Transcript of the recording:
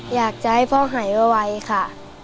อยากจะให้พ่อหายไวค่ะ